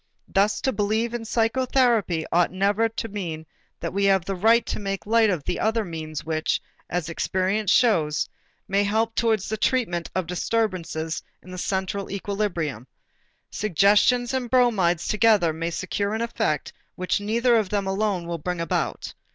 Thus to believe in psychotherapy ought never to mean that we have a right to make light of the other means which, as experience shows, may help towards the treatment of disturbances in the central equilibrium. Suggestions and bromides together may secure an effect which neither of them alone will bring about.